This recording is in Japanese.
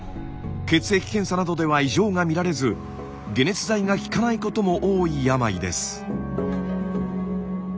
血液検査などでは異常が見られず解熱剤が効かないことも多い病です。